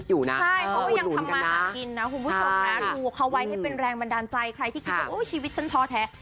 ดูเขาไว้ให้เป็นแรงบันดาลใจใครที่คิดว่าชีวิตฉันทอแท้